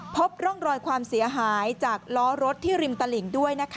พบร่องรอยความเสียหายจากล้อรถที่ริมตลิ่งด้วยนะคะ